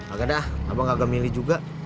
agak dah abang agak milih juga